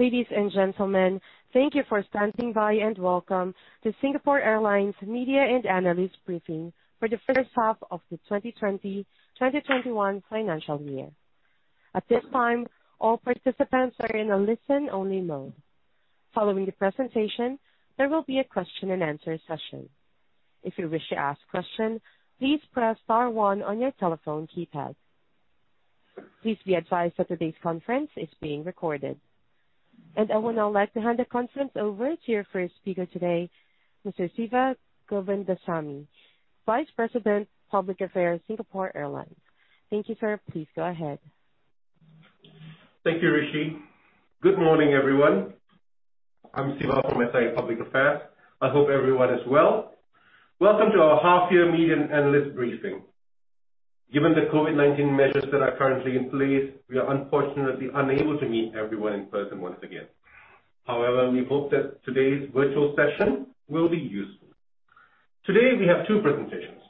Ladies and gentlemen, thank you for standing by and welcome to Singapore Airlines Media and Analyst Briefing for the first half of the 2020/2021 financial year. At this time, all participants are in a listen-only mode. Following the presentation, there will be a question and answer session. If you wish to ask question, please press star one on your telephone keypad. Please be advised that today's conference is being recorded. I would now like to hand the conference over to your first speaker today, Mr. Siva Govindasamy, Vice President, Public Affairs, Singapore Airlines. Thank you, sir. Please go ahead. Thank you, Rishi. Good morning, everyone. I'm Siva from SIA Public Affairs. I hope everyone is well. Welcome to our half-year media and analyst briefing. Given the COVID-19 measures that are currently in place, we are unfortunately unable to meet everyone in person once again. However, we hope that today's virtual session will be useful. Today we have two presentations.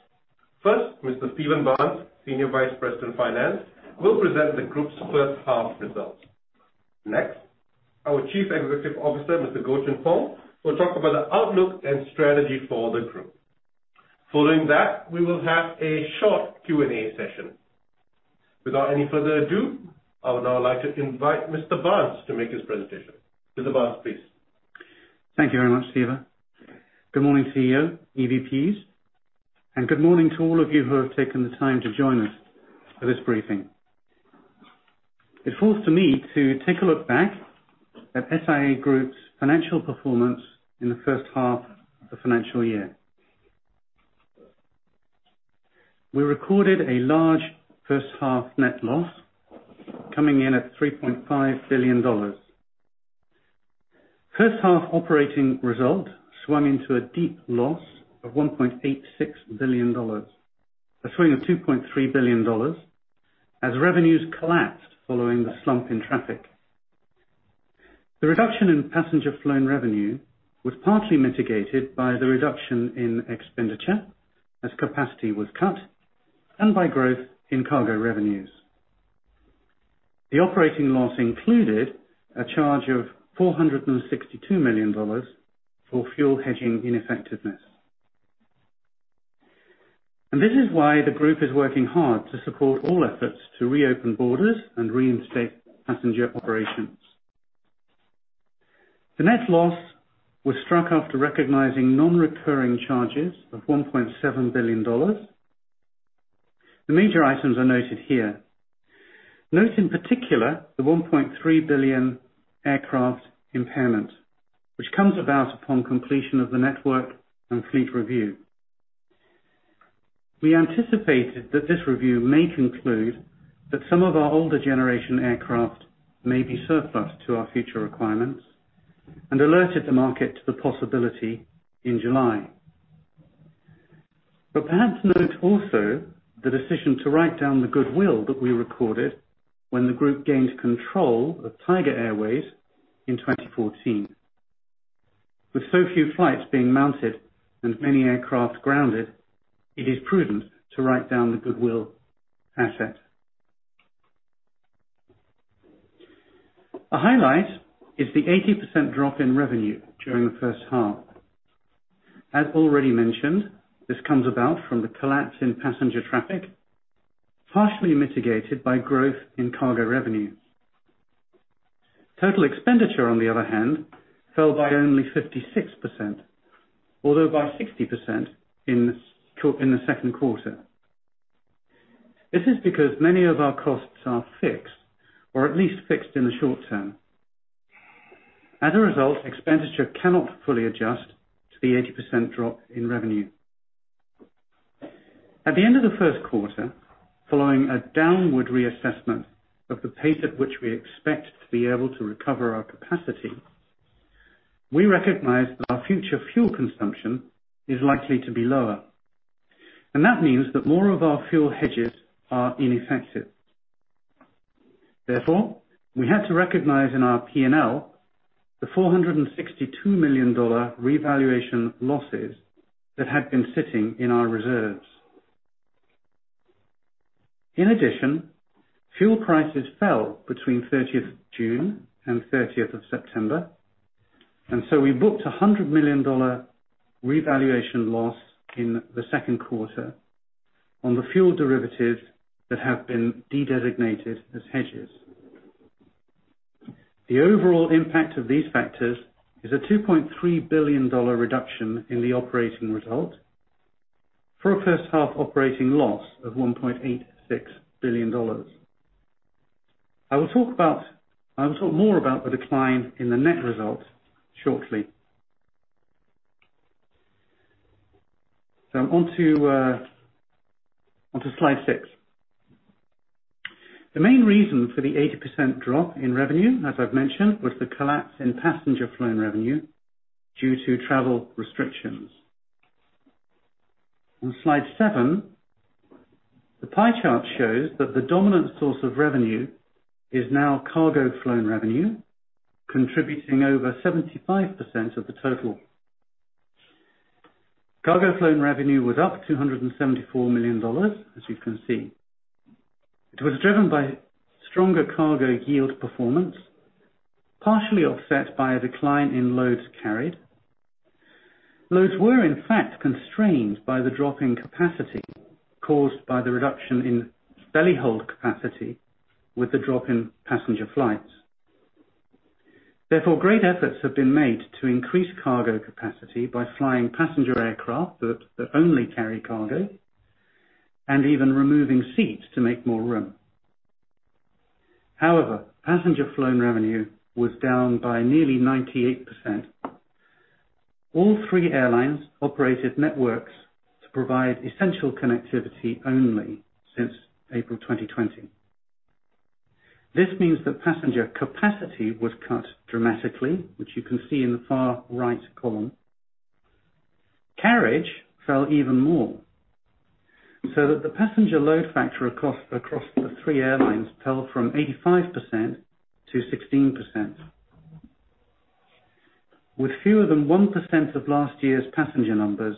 First, Mr. Stephen Barnes, Senior Vice President, Finance, will present the group's first half results. Next, our Chief Executive Officer, Mr. Goh Choon Phong, will talk about the outlook and strategy for the group. Following that, we will have a short Q&A session. Without any further ado, I would now like to invite Mr. Barnes to make his presentation. Mr. Barnes, please. Thank you very much, Siva. Good morning, CFO, EVPs, and good morning to all of you who have taken the time to join us for this briefing. It falls to me to take a look back at SIA Group's financial performance in the first half of the financial year. We recorded a large first half net loss, coming in at 3.5 billion dollars. First half operating result swung into a deep loss of 1.86 billion dollars. A swing of 2.3 billion dollars as revenues collapsed following the slump in traffic. The reduction in passenger flown revenue was partly mitigated by the reduction in expenditure as capacity was cut and by growth in cargo revenues. The operating loss included a charge of 462 million dollars for fuel hedging ineffectiveness. This is why the group is working hard to support all efforts to reopen borders and reinstate passenger operations. The net loss was struck after recognizing non-recurring charges of 1.7 billion dollars. The major items are noted here. Note in particular, the 1.3 billion aircraft impairment, which comes about upon completion of the network and fleet review. We anticipated that this review may conclude that some of our older generation aircraft may be surplus to our future requirements and alerted the market to the possibility in July. Perhaps note also the decision to write down the goodwill that we recorded when the group gained control of Tiger Airways in 2014. With so few flights being mounted and many aircraft grounded, it is prudent to write down the goodwill asset. A highlight is the 80% drop in revenue during the first half. As already mentioned, this comes about from the collapse in passenger traffic, partially mitigated by growth in cargo revenues. Total expenditure, on the other hand, fell by only 56%, although by 60% in the second quarter. This is because many of our costs are fixed, or at least fixed in the short term. As a result, expenditure cannot fully adjust to the 80% drop in revenue. At the end of the first quarter, following a downward reassessment of the pace at which we expect to be able to recover our capacity, we recognized that our future fuel consumption is likely to be lower. That means that more of our fuel hedges are ineffective. Therefore, we had to recognize in our P&L the 462 million dollar revaluation losses that had been sitting in our reserves. In addition, fuel prices fell between 30th June and 30th of September, we booked 100 million dollar revaluation loss in the second quarter on the fuel derivatives that have been dedesignated as hedges. The overall impact of these factors is a 2.3 billion dollar reduction in the operating result for a first half operating loss of 1.86 billion dollars. I will talk more about the decline in the net results shortly. Onto slide six. The main reason for the 80% drop in revenue, as I've mentioned, was the collapse in passenger flown revenue due to travel restrictions. On slide seven, the pie chart shows that the dominant source of revenue is now cargo flown revenue, contributing over 75% of the total. Cargo flown revenue was up 274 million dollars, as you can see. It was driven by stronger cargo yield performance, partially offset by a decline in loads carried. Loads were in fact constrained by the drop in capacity caused by the reduction in belly hold capacity with the drop in passenger flights. Therefore, great efforts have been made to increase cargo capacity by flying passenger aircraft that only carry cargo, and even removing seats to make more room. However, passenger flown revenue was down by nearly 98%. All three airlines operated networks to provide essential connectivity only since April 2020. This means that passenger capacity was cut dramatically, which you can see in the far right column. Carriage fell even more, so that the passenger load factor across the three airlines fell from 85% to 16%. With fewer than 1% of last year's passenger numbers,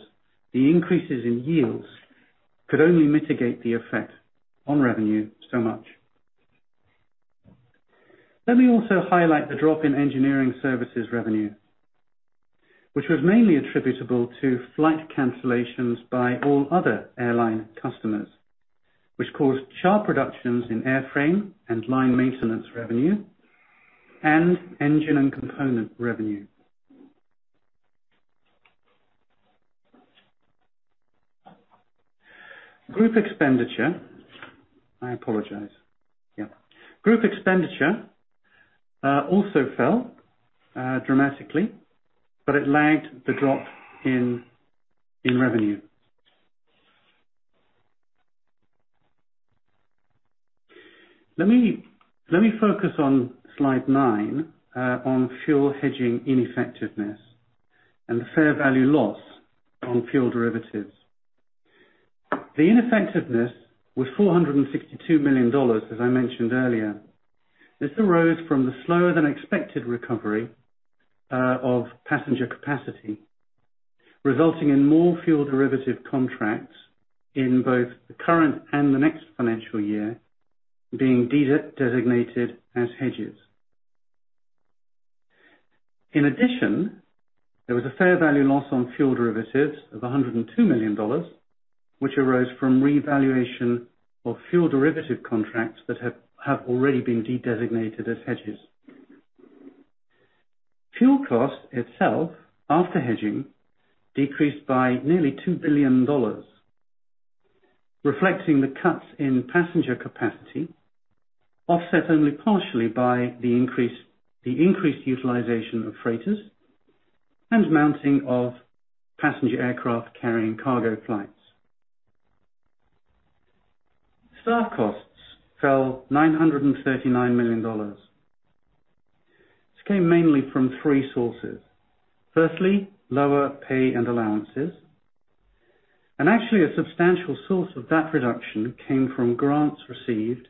the increases in yields could only mitigate the effect on revenue so much. Let me also highlight the drop in engineering services revenue, which was mainly attributable to flight cancellations by all other airline customers, which caused sharp reductions in airframe and line maintenance revenue and engine and component revenue. Group expenditure. I apologize. Yeah. Group expenditure also fell dramatically, it lagged the drop in revenue. Let me focus on slide nine, on fuel hedging ineffectiveness and the fair value loss on fuel derivatives. The ineffectiveness was 462 million dollars, as I mentioned earlier. This arose from the slower than expected recovery of passenger capacity, resulting in more fuel derivative contracts in both the current and the next financial year being designated as hedges. There was a fair value loss on fuel derivatives of 102 million dollars, which arose from revaluation of fuel derivative contracts that have already been dedesignated as hedges. Fuel cost itself, after hedging, decreased by nearly 2 billion dollars, reflecting the cuts in passenger capacity, offset only partially by the increased utilization of freighters and mounting of passenger aircraft carrying cargo flights. Staff costs fell 939 million dollars. This came mainly from three sources. Firstly, lower pay and allowances, actually a substantial source of that reduction came from grants received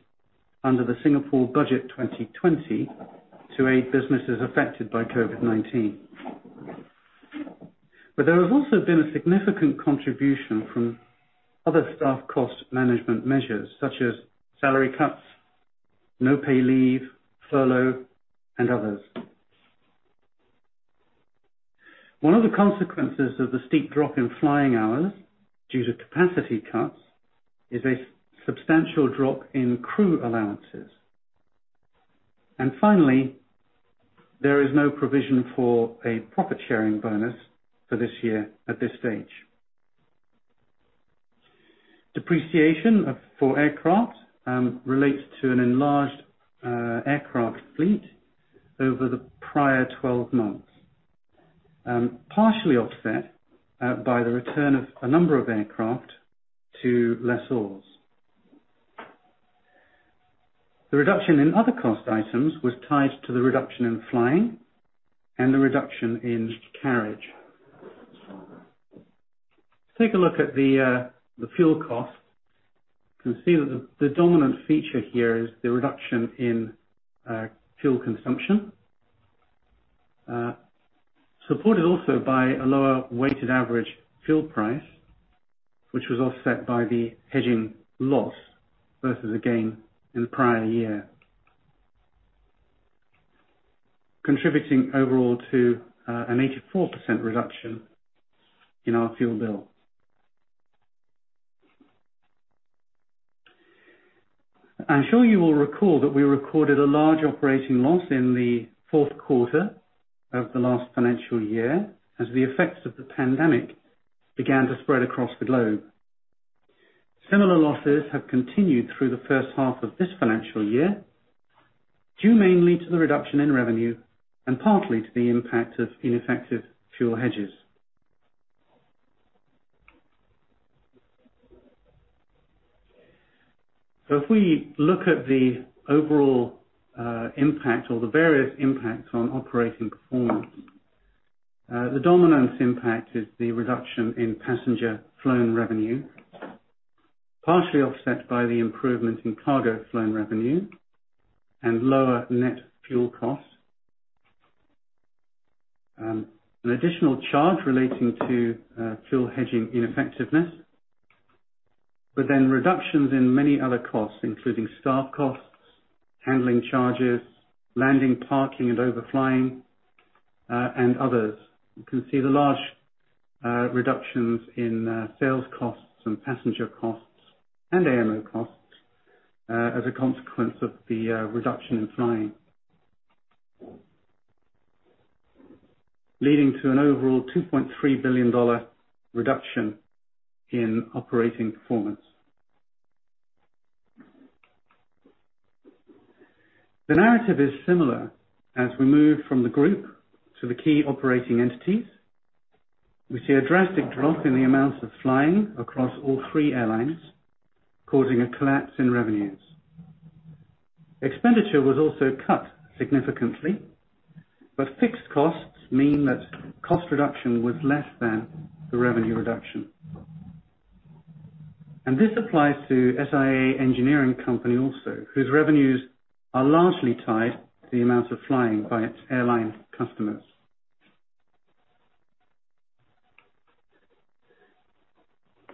under the Singapore Budget 2020 to aid businesses affected by COVID-19. There has also been a significant contribution from other staff cost management measures such as salary cuts, no pay leave, furlough, and others. One of the consequences of the steep drop in flying hours due to capacity cuts is a substantial drop in crew allowances. Finally, there is no provision for a profit-sharing bonus for this year at this stage. Depreciation for aircraft relates to an enlarged aircraft fleet over the prior 12 months, partially offset by the return of a number of aircraft to lessors. The reduction in other cost items was tied to the reduction in flying and the reduction in carriage. Take a look at the fuel cost. You can see that the dominant feature here is the reduction in fuel consumption. Supported also by a lower weighted average fuel price, which was offset by the hedging loss versus a gain in the prior year. Contributing overall to an 84% reduction in our fuel bill. I'm sure you will recall that we recorded a large operating loss in the fourth quarter of the last financial year as the effects of the pandemic began to spread across the globe. Similar losses have continued through the first half of this financial year, due mainly to the reduction in revenue and partly to the impact of ineffective fuel hedges. If we look at the overall impact or the various impacts on operating performance, the dominant impact is the reduction in passenger flown revenue. Partially offset by the improvement in cargo flown revenue and lower net fuel costs. An additional charge relating to fuel hedging ineffectiveness, reductions in many other costs, including staff costs, handling charges, landing, parking and overflying, and others. You can see the large reductions in sales costs and passenger costs and MRO costs as a consequence of the reduction in flying. Leading to an overall 2.3 billion dollar reduction in operating performance. The narrative is similar as we move from the group to the key operating entities. We see a drastic drop in the amounts of flying across all three airlines, causing a collapse in revenues. Expenditure was also cut significantly, fixed costs mean that cost reduction was less than the revenue reduction. This applies to SIA Engineering Company also, whose revenues are largely tied to the amount of flying by its airline customers.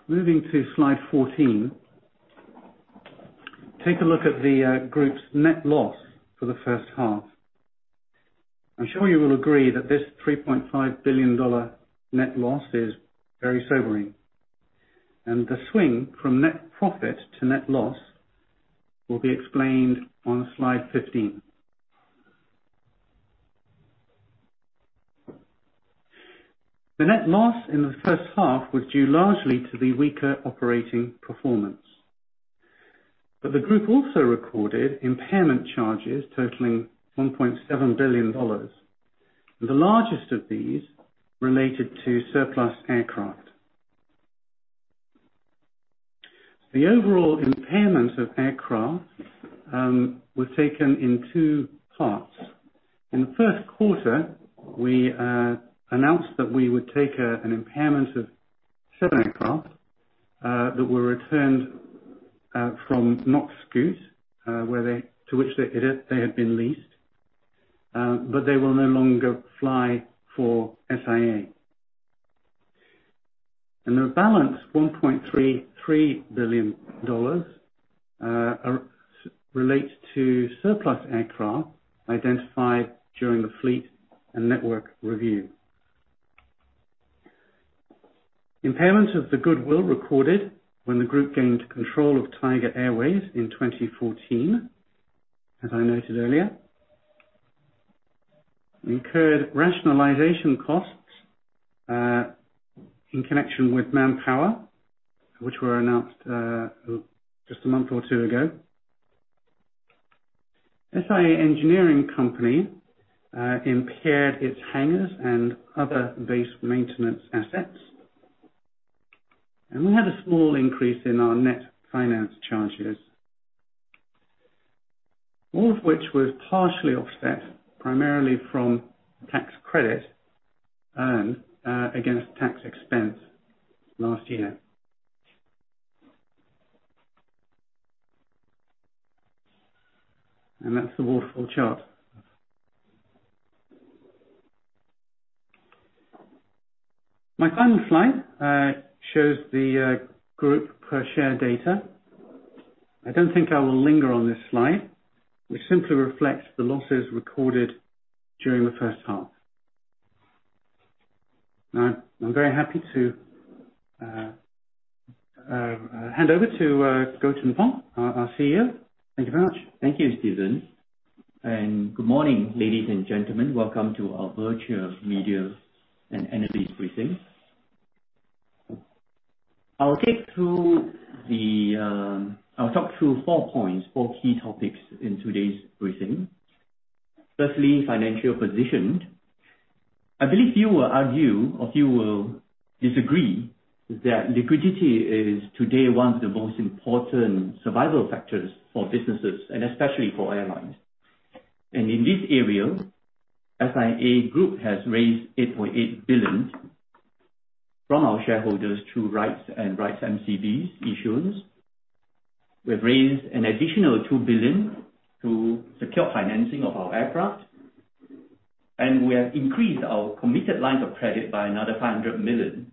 Moving to slide 14, take a look at the group's net loss for the first half. I'm sure you will agree that this 3.5 billion dollar net loss is very sobering. The swing from net profit to net loss will be explained on slide 15. The net loss in the first half would be largely to be weaker operating performance. The group also recorded impairment charges totaling 1.7 billion dollars. The largest of these related to surplus aircraft. The overall impairment of aircraft was taken in two parts. In the first quarter, we announced that we would take an impairment of seven aircraft that were returned from NokScoot, to which they had been leased. They will no longer fly for SIA. The balance, 1.33 billion dollars, relates to surplus aircraft identified during the fleet and network review, and impairment of the goodwill recorded when the group gained control of Tiger Airways in 2014, as I noted earlier. We incurred rationalization costs in connection with manpower, which were announced just a month or two ago. SIA Engineering Company impaired its hangars and other base maintenance assets. We had a small increase in our net finance charges, all of which was partially offset primarily from tax credit earned against tax expense last year. That's the waterfall chart. My final slide shows the group per share data. I don't think I will linger on this slide, which simply reflects the losses recorded during the first half. I'm very happy to hand over to Goh Choon Phong, our CEO. Thank you very much. Thank you, Stephen. Good morning, ladies and gentlemen. Welcome to our virtual media and analyst briefing. I'll talk through four points, four key topics in today's briefing. Firstly, financial position. I believe you will argue, or you will disagree, that liquidity is today one of the most important survival factors for businesses and especially for airlines. In this area, SIA Group has raised 8.8 billion from our shareholders through rights and rights MCB issuance. We've raised an additional 2 billion to secure financing of our aircraft, and we have increased our committed lines of credit by another 500 million.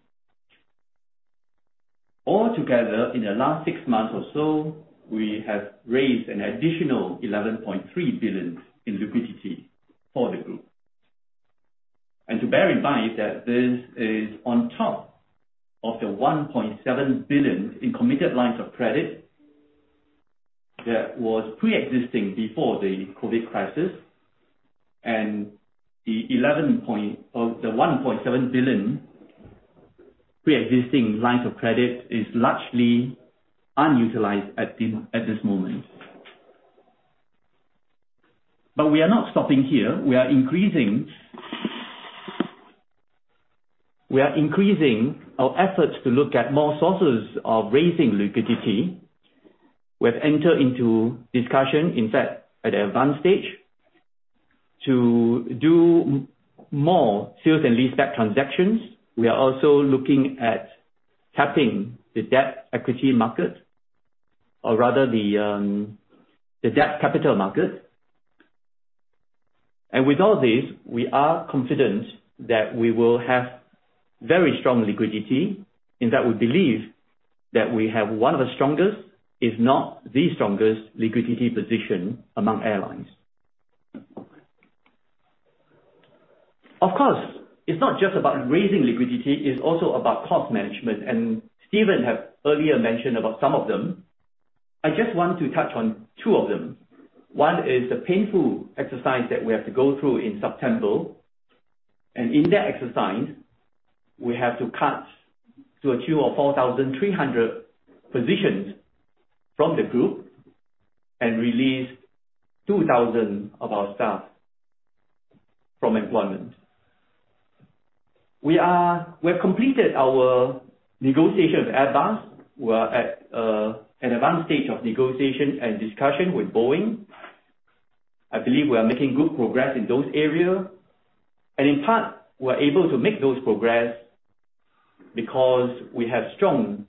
Altogether, in the last six months or so, we have raised an additional 11.3 billion in liquidity for the group. To bear in mind that this is on top of the 1.7 billion in committed lines of credit that was preexisting before the COVID crisis. The 1.7 billion preexisting lines of credit is largely unutilized at this moment. We are not stopping here. We are increasing our efforts to look at more sources of raising liquidity. We have entered into discussion, in fact, at advanced stage to do more sales and leaseback transactions. We are also looking at tapping the debt equity market or rather the debt capital market. With all this, we are confident that we will have very strong liquidity, in that we believe that we have one of the strongest, if not the strongest liquidity position among airlines. Of course, it's not just about raising liquidity, it's also about cost management, Stephen Barnes have earlier mentioned about some of them. I just want to touch on two of them. One is the painful exercise that we have to go through in September. In that exercise, we have to cut to a tune of 4,300 positions from the group and release 2,000 of our staff from employment. We have completed our negotiations advance. We're at an advanced stage of negotiation and discussion with Boeing. I believe we are making good progress in those areas. In part, we're able to make those progress because we have strong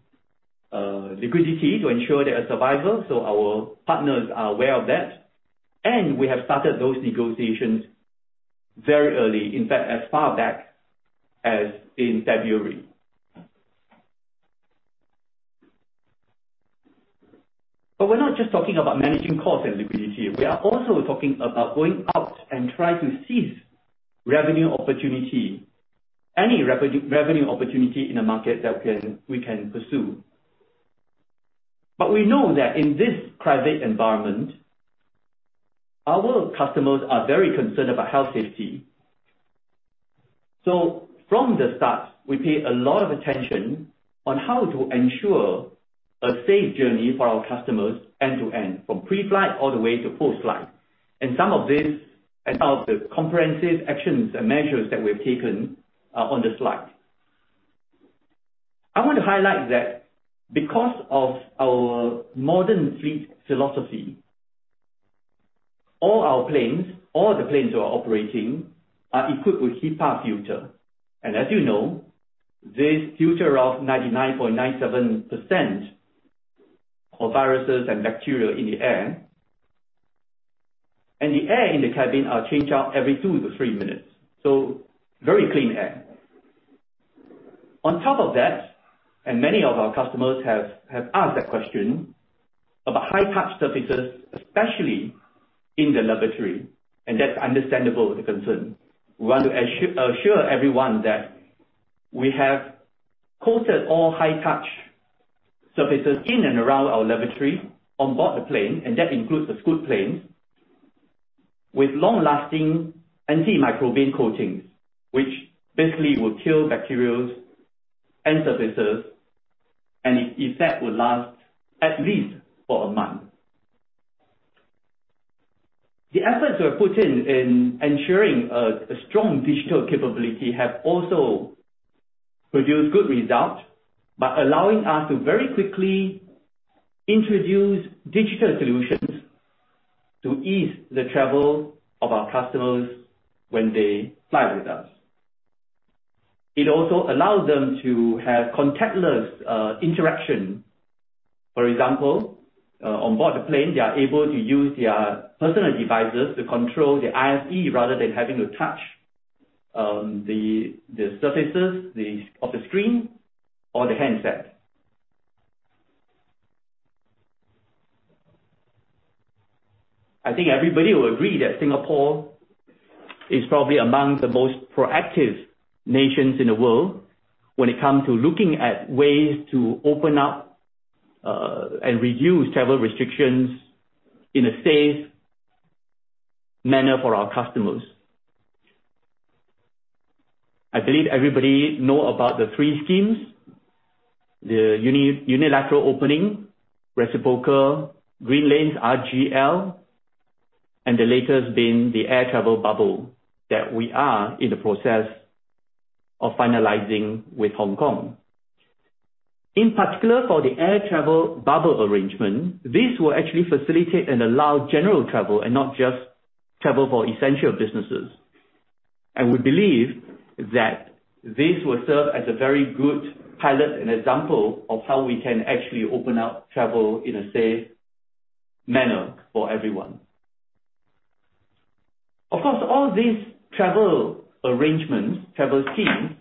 liquidity to ensure their survival, so our partners are aware of that. We have started those negotiations very early, in fact, as far back as in February. We're not just talking about managing cost and liquidity. We are also talking about going out and try to seize revenue opportunity, any revenue opportunity in a market that we can pursue. We know that in this private environment, our customers are very concerned about health safety. From the start, we pay a lot of attention on how to ensure a safe journey for our customers end to end, from pre-flight all the way to post-flight. Some of this, and some of the comprehensive actions and measures that we've taken are on the slide. I want to highlight that because of our modern fleet philosophy, all our planes, all the planes we are operating, are equipped with HEPA filter. As you know, this filter out 99.97% of viruses and bacteria in the air. The air in the cabin are changed out every two to three minutes, so very clean air. On top of that, and many of our customers have asked that question about high touch surfaces, especially in the lavatory, and that's understandable, the concern. We want to assure everyone that we have coated all high touch surfaces in and around our lavatory on board the plane, and that includes the Scoot plane, with long-lasting antimicrobial coatings, which basically will kill bacteria and surfaces, and effect will last at least for a month. The efforts we have put in ensuring a strong digital capability have also produced good results by allowing us to very quickly introduce digital solutions to ease the travel of our customers when they fly with us. It also allows them to have contactless interaction. For example, on board the plane, they are able to use their personal devices to control the IFE rather than having to touch the surfaces of the screen or the handset. I think everybody will agree that Singapore is probably among the most proactive nations in the world when it comes to looking at ways to open up, and reduce travel restrictions in a safe manner for our customers. I believe everybody know about the three schemes, the unilateral opening, reciprocal green lanes, RGL, and the latest being the air travel bubble that we are in the process of finalizing with Hong Kong. In particular, for the air travel bubble arrangement, this will actually facilitate and allow general travel and not just travel for essential businesses. We believe that this will serve as a very good pilot and example of how we can actually open up travel in a safe manner for everyone. Of course, all these travel arrangements, travel schemes,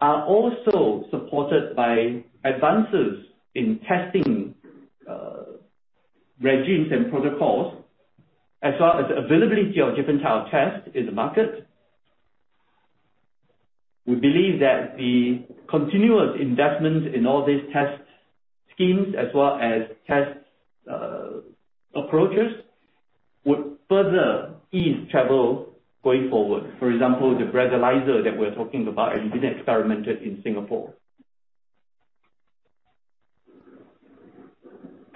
are also supported by advances in testing regimes and protocols, as well as availability of different type tests in the market. We believe that the continuous investments in all these test schemes as well as test approaches would further ease travel going forward. For example, the breathalyser that we're talking about and been experimented in Singapore.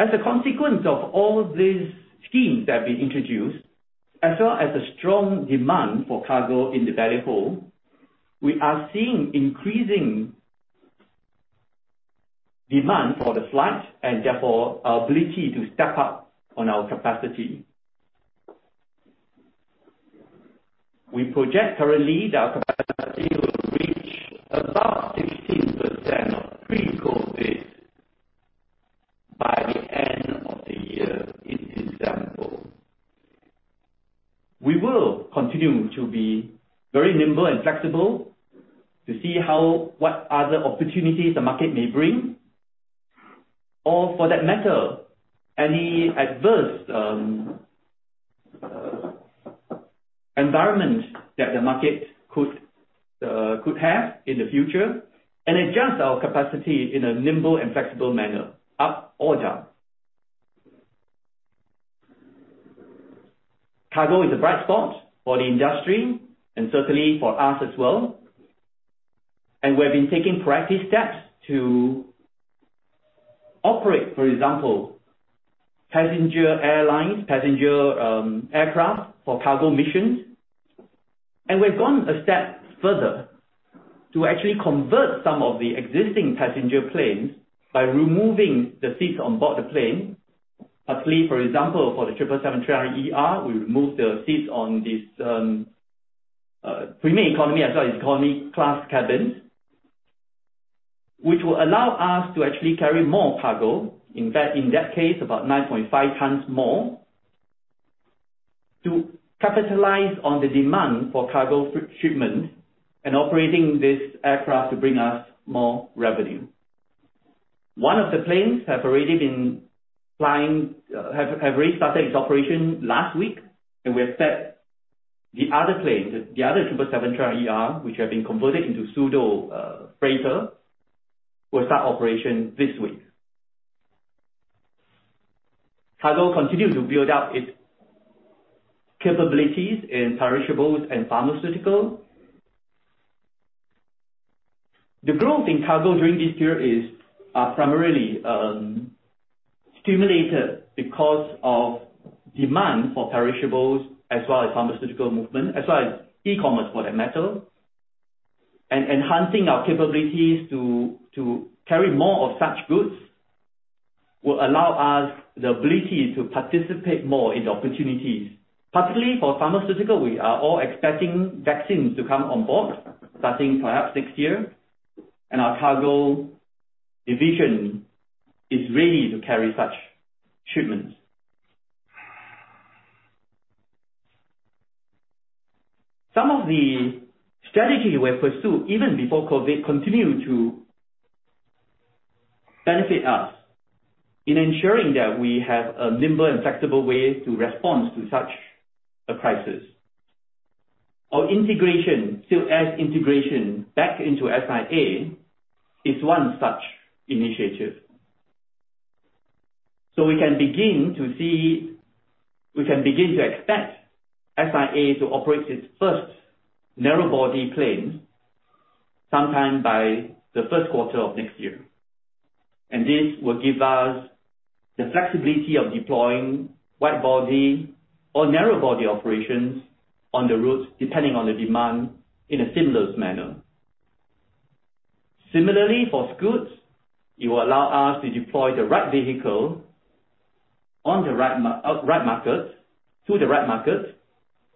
As a consequence of all these schemes that have been introduced, as well as the strong demand for cargo in the belly hold, we are seeing increasing demand for the flight, and therefore our ability to step up on our capacity. We project currently that our capacity will reach about 16% of pre-COVID-19 base by the end of the year, in December. We will continue to be very nimble and flexible to see what other opportunities the market may bring. For that matter, any adverse environment that the market could have in the future, and adjust our capacity in a nimble and flexible manner, up or down. Cargo is a bright spot for the industry and certainly for us as well. We have been taking proactive steps to operate, for example, passenger airlines, passenger aircraft for cargo missions. We've gone a step further to actually convert some of the existing passenger planes by removing the seats on board the plane. Actually, for example, for the 777-300ER, we removed the seats on this premium economy, as well as economy class cabins. Which will allow us to actually carry more cargo, in that case, about 9.5 tons more, to capitalize on the demand for cargo shipment and operating this aircraft to bring us more revenue. One of the planes have already started its operation last week, and we have set the other planes, the other 777-300ER, which have been converted into pseudo-freighter, will start operation this week. Cargo continues to build up its capabilities in perishables and pharmaceutical. The growth in Cargo during this period is primarily stimulated because of demand for perishables as well as pharmaceutical movement, as well as e-commerce, for that matter. Enhancing our capabilities to carry more of such goods will allow us the ability to participate more in the opportunities. Particularly for pharmaceutical, we are all expecting vaccines to come on board starting perhaps next year, and our cargo division is ready to carry such shipments. Some of the strategy we have pursued even before COVID-19 continue to benefit us in ensuring that we have a nimble and flexible way to respond to such a crisis. Our integration, SilkAir integration back into SIA is one such initiative. We can begin to expect SIA to operate its first narrow-body plane sometime by the first quarter of next year. This will give us the flexibility of deploying wide-body or narrow-body operations on the route, depending on the demand, in a seamless manner. Similarly, for Scoot, it will allow us to deploy the right vehicle to the right market,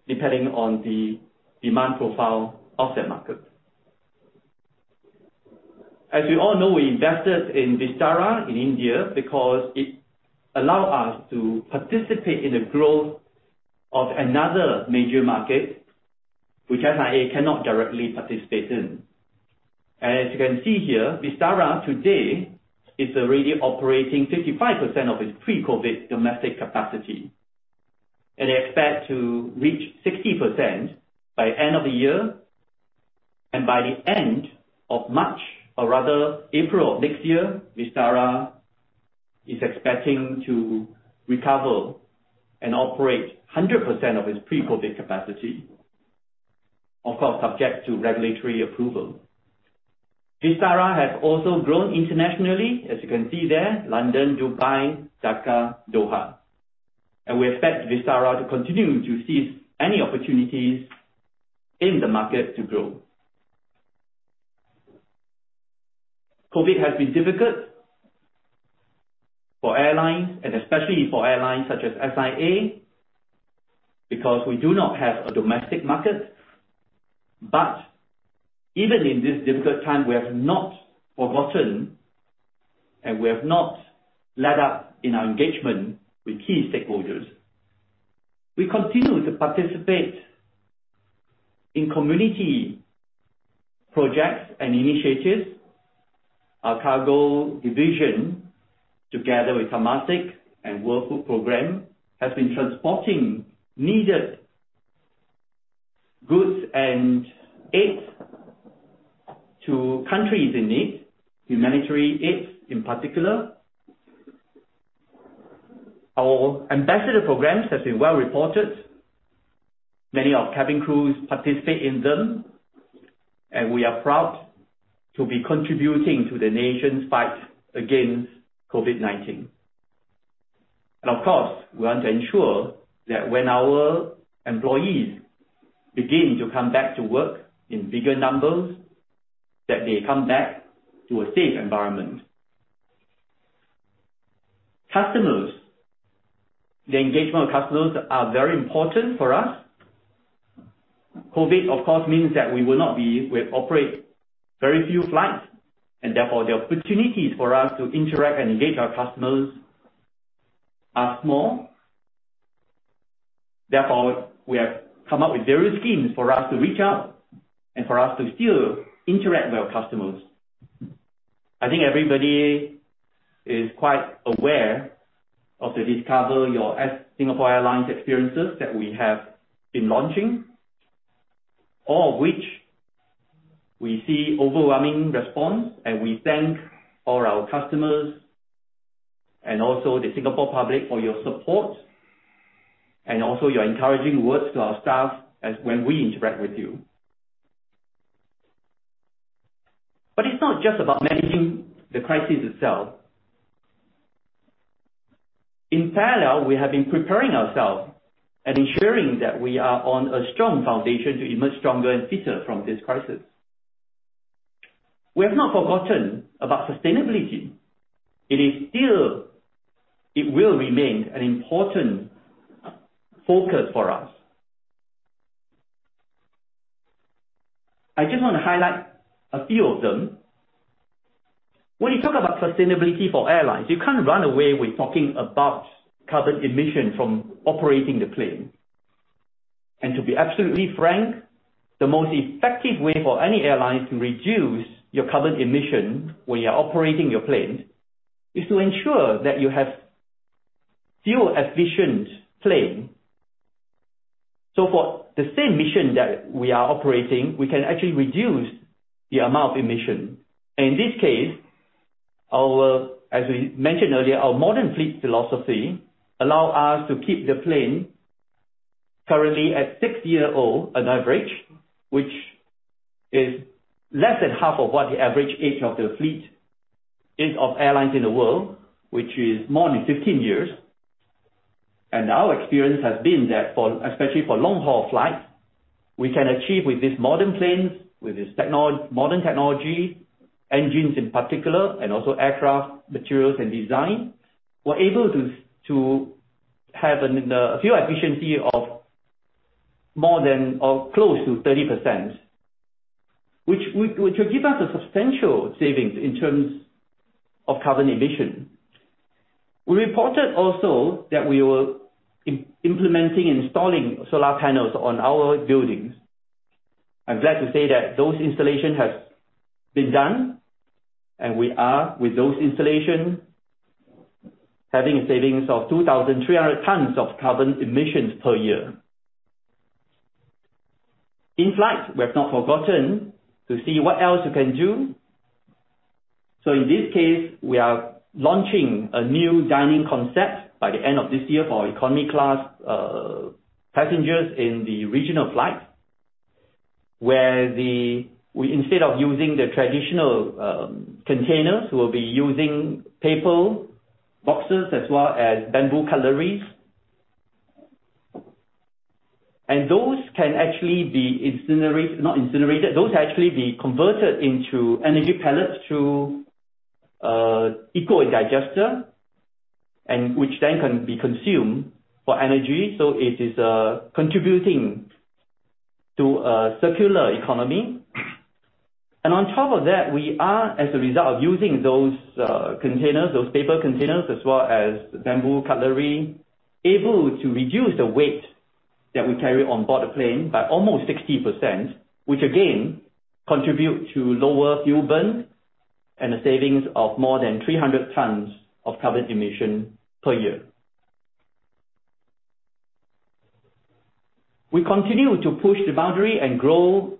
depending on the demand profile of that market. As you all know, we invested in Vistara in India because it allow us to participate in the growth of another major market which SIA cannot directly participate in. As you can see here, Vistara today is already operating 55% of its pre-COVID-19 domestic capacity. They expect to reach 60% by end of the year, by the end of March, or rather April of next year, Vistara is expecting to recover and operate 100% of its pre-COVID-19 capacity. Of course, subject to regulatory approval. Vistara has also grown internationally, as you can see there, London, Dubai, Dhaka, Doha. We expect Vistara to continue to seize any opportunities in the market to grow. COVID-19 has been difficult for airlines and especially for airlines such as SIA, because we do not have a domestic market. Even in this difficult time, we have not forgotten, and we have not let up in our engagement with key stakeholders. We continue to participate in community projects and initiatives. Our cargo division, together with Carmatic and World Food Programme, has been transporting needed goods and aids to countries in need, humanitarian aids in particular. Our Ambassador programs have been well-reported. Many of cabin crews participate in them, and we are proud to be contributing to the nation's fight against COVID-19. Of course, we want to ensure that when our employees begin to come back to work in bigger numbers, that they come back to a safe environment. Customers. The engagement of customers are very important for us. COVID-19, of course, means that we operate very few flights, and therefore, the opportunities for us to interact and engage our customers are small. Therefore, we have come up with various schemes for us to reach out and for us to still interact with our customers. I think everybody is quite aware of the Discover Your Singapore Airlines experiences that we have been launching. All of which we see overwhelming response, we thank all our customers and also the Singapore public for your support, and also your encouraging words to our staff as when we interact with you. It's not just about managing the crisis itself. In parallel, we have been preparing ourselves and ensuring that we are on a strong foundation to emerge stronger and fitter from this crisis. We have not forgotten about sustainability. It will remain an important focus for us. I just want to highlight a few of them. When you talk about sustainability for airlines, you can't run away with talking about carbon emission from operating the plane. To be absolutely frank, the most effective way for any airline to reduce your carbon emission when you're operating your planes, is to ensure that you have fuel-efficient planes. For the same mission that we are operating, we can actually reduce the amount of emission. In this case, as we mentioned earlier, our modern fleet philosophy allow us to keep the plane currently at six years old on average, which is less than half of what the average age of the fleet is of airlines in the world, which is more than 15 years. Our experience has been that, especially for long-haul flights, we can achieve with these modern planes, with this modern technology, engines in particular, and also aircraft materials and design. We're able to have a fuel efficiency of more than or close to 30%, which will give us a substantial savings in terms of carbon emission. We reported also that we were implementing installing solar panels on our buildings. I'm glad to say that those installations have been done, and we are, with those installations, having a savings of 2,300 tonnes of carbon emissions per year. In flight, we have not forgotten to see what else we can do. In this case, we are launching a new dining concept by the end of this year for economy class passengers in the regional flights. Where instead of using the traditional containers, we'll be using paper boxes as well as bamboo cutlery. Those can actually be incinerated, not incinerated. Those can actually be converted into energy pellets through eco-digester, and which then can be consumed for energy. It is contributing to a circular economy. On top of that, we are, as a result of using those containers, those paper containers, as well as bamboo cutlery, able to reduce the weight that we carry on board the plane by almost 60%, which again, contribute to lower fuel burn and a savings of more than 300 tonnes of carbon emission per year. We continue to push the boundary and grow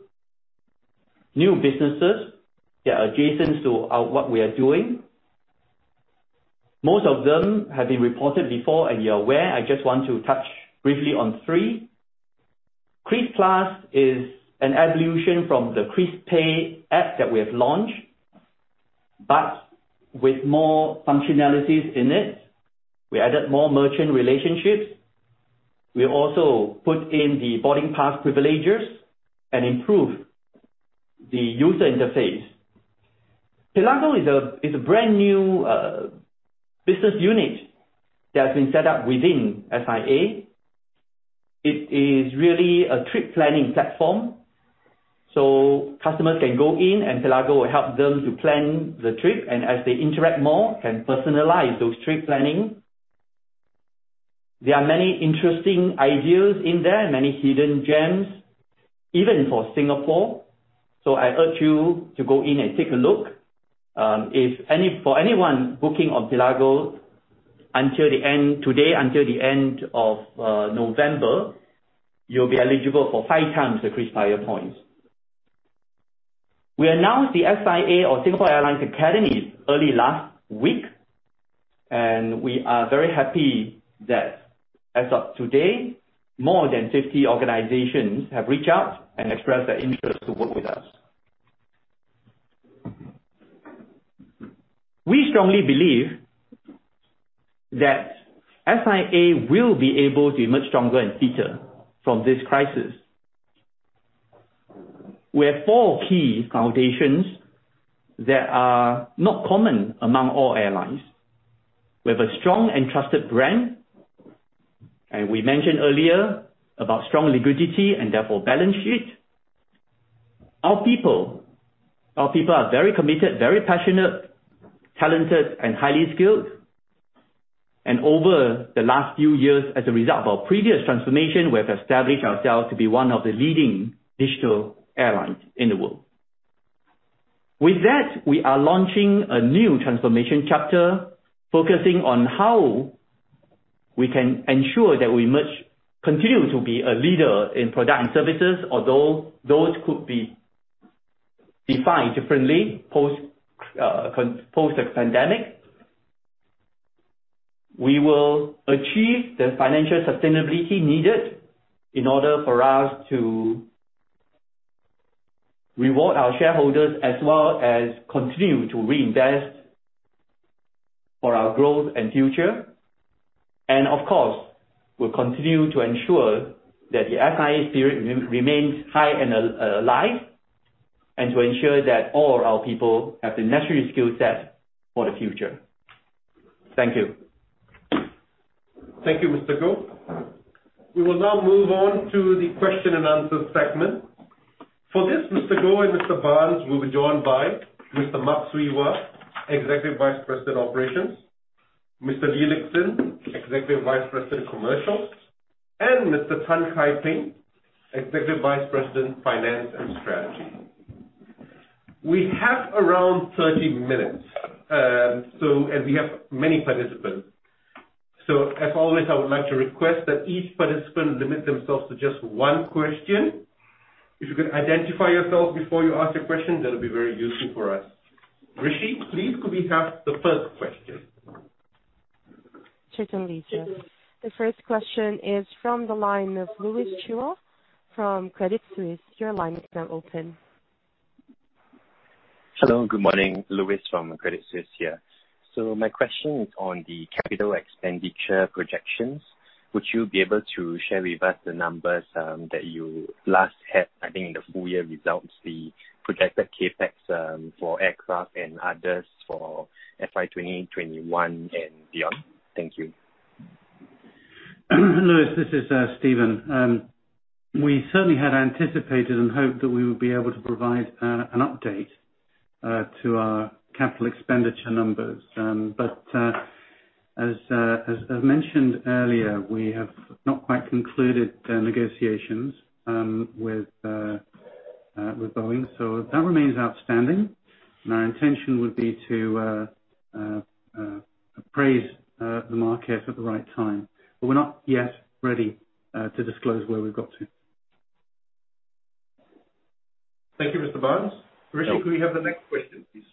new businesses that are adjacent to what we are doing. Most of them have been reported before and you're aware, I just want to touch briefly on three. Kris+ is an evolution from the KrisPay app that we have launched, but with more functionalities in it. We added more merchant relationships. We also put in the boarding pass privileges and improved the user interface. Pelago is a brand-new business unit that has been set up within SIA. It is really a trip planning platform, so customers can go in and Pelago will help them to plan the trip, and as they interact more, can personalize those trip planning. There are many interesting ideas in there, many hidden gems, even for Singapore. I urge you to go in and take a look. For anyone booking on Pelago, today until the end of November, you'll be eligible for five times the KrisFlyer points. We announced the SIA or Singapore Airlines Academy early last week, and we are very happy that as of today, more than 50 organizations have reached out and expressed their interest to work with us. We strongly believe that SIA will be able to emerge stronger and fitter from this crisis. We have four key foundations that are not common among all airlines. We have a strong and trusted brand. We mentioned earlier about strong liquidity and therefore balance sheet. Our people are very committed, very passionate, talented, and highly skilled. Over the last few years, as a result of our previous transformation, we have established ourselves to be one of the leading digital airlines in the world. With that, we are launching a new transformation chapter, focusing on how we can ensure that we continue to be a leader in product and services, although those could be defined differently post-pandemic. We will achieve the financial sustainability needed in order for us to reward our shareholders, as well as continue to reinvest for our growth and future. Of course, we'll continue to ensure that the SIA spirit remains high and alive, and to ensure that all our people have the necessary skill set for the future. Thank you. Thank you, Mr. Goh Choon Phong. We will now move on to the question and answer segment. For this, Mr. Goh Choon Phong and Mr. Stephen Barnes will be joined by Mr. Mak Swee Wah, Executive Vice President, Operations. Mr. Lee Lik Hsin, Executive Vice President, Commercial. Mr. Tan Kai Ping, Executive Vice President, Finance and Strategy. We have around 30 minutes, and we have many participants. As always, I would like to request that each participant limit themselves to just one question. If you could identify yourself before you ask a question, that would be very useful for us. Rishi, please could we have the first question? Certainly, sir. The first question is from the line of Louis Chua from Credit Suisse. Your line is now open. Hello, good morning. Louis from Credit Suisse here. My question is on the capital expenditure projections. Would you be able to share with us the numbers, that you last had, I think in the full year results, the projected CapEx for aircraft and others for FY 2021 and beyond? Thank you. Louis, this is Stephen. We certainly had anticipated and hoped that we would be able to provide an update to our capital expenditure numbers. As mentioned earlier, we have not quite concluded the negotiations with Boeing. That remains outstanding, and our intention would be to appraise the market at the right time. We're not yet ready to disclose where we've got to. Thank you, Mr. Stephen Barnes. Rishi, could we have the next question, please?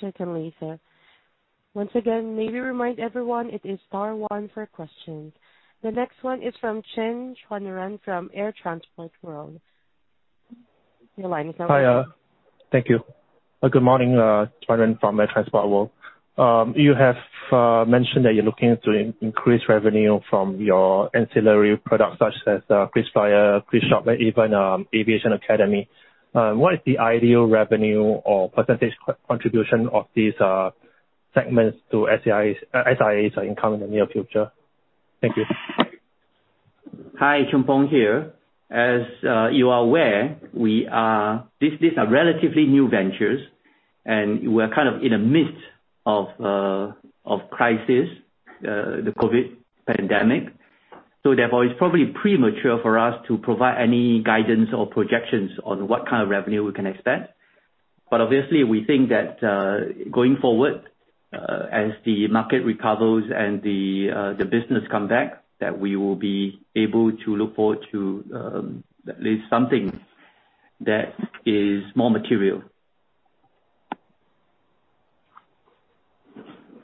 Certainly, sir. Once again, may we remind everyone it is star one for questions. The next one is from Chen Chuanren from Air Transport World. Your line is now open. Hi. Thank you. Good morning, Chuanren from Air Transport World. You have mentioned that you're looking to increase revenue from your ancillary products such as KrisFlyer, KrisShop, even Aviation Academy. What is the ideal revenue or percentage contribution of these segments to SIA's income in the near future? Thank you. Hi, Goh Choon Phong here. As you are aware, these are relatively new ventures and we're kind of in the midst of crisis, the COVID-19 pandemic. Therefore, it's probably premature for us to provide any guidance or projections on what kind of revenue we can expect. Obviously, we think that, going forward, as the market recovers and the business come back, that we will be able to look forward to at least something that is more material.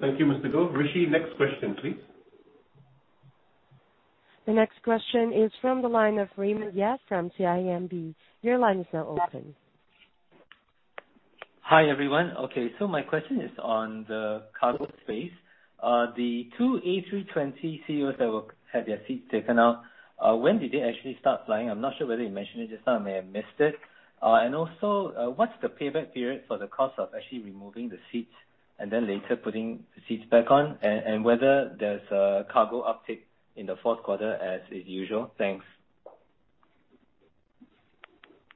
Thank you, Mr. Goh Choon Phong. Rishi, next question please. The next question is from the line of Raymond Yeo from CIMB. Your line is now open. Hi, everyone. Okay, my question is on the cargo space. The two A320ceos that had their seats taken out, when did they actually start flying? I'm not sure whether you mentioned it just now, I may have missed it. What's the payback period for the cost of actually removing the seats and then later putting the seats back on, and whether there's a cargo uptake in the fourth quarter as is usual? Thanks.